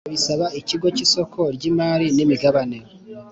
Abisaba ikigo cy isoko ry imari n imigabane